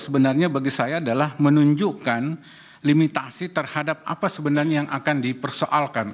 sebenarnya bagi saya adalah menunjukkan limitasi terhadap apa sebenarnya yang akan dipersoalkan